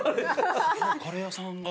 カレー屋さんが。